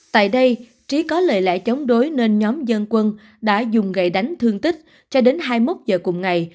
tại đây trí có lời lẽ chống đối nên nhóm dân quân đã dùng gậy đánh thương tích cho đến hai mươi một giờ cùng ngày